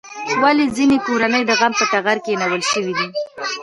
ولې ځینې کورنۍ د غم په ټغر کېنول شوې دي؟